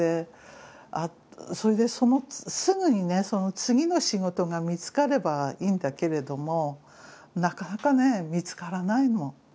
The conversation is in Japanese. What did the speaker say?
それでそのすぐにね次の仕事が見つかればいいんだけれどもなかなかね見つからないの。